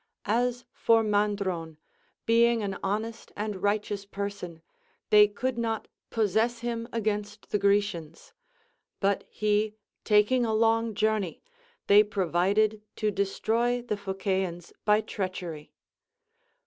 As for Mandron, being an honest and righteous person, they could not possess him against the Grecians ; but he taking a long journey, they provided to destroy the Phociieans by treachery.